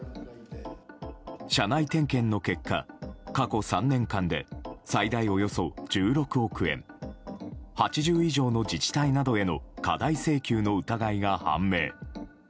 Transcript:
社内点検の結果、過去３年間で最大およそ１６億円８０以上の自治体などへの過大請求の疑いが判明。